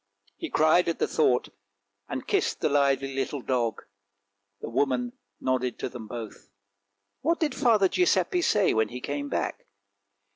He cried at the thought, and kissed the lively little dog; the woman nodded to them both. What did Father Giuseppe say when he came back?